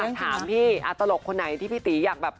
ถามพี่ตลกคนไหนที่พี่ตีอยากแบบ